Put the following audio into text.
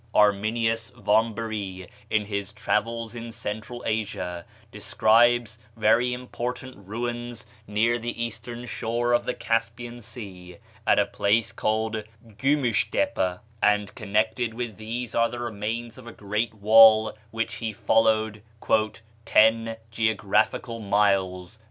Arminius Vámbéry, in his "Travels in Central Asia," describes very important ruins near the eastern shore of the Caspian Sea, at a place called Gömüshtepe; and connected with these are the remains of a great wall which he followed "ten geographical miles."